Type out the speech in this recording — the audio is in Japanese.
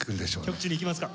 極致にいきますか？